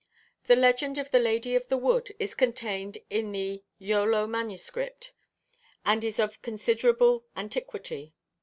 The legend of the Lady of the Wood is contained in the Iolo MSS., and is of considerable antiquity.